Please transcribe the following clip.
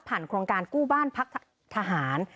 โครงการกู้บ้านพักทหาร